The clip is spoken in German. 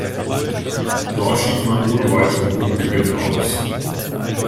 Dort schied man ohne weiteren Punktgewinn aus.